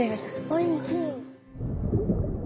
おいしい。